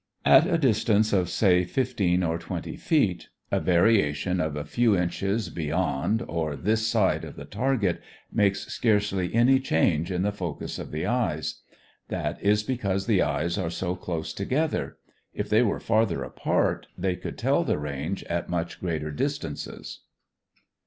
At a distance of, say, fifteen or twenty feet, a variation of a few inches beyond or this side of the target makes scarcely any change in the focus of the eyes. That is because the eyes are so close together. If they were farther apart, they could tell the range at much greater distances.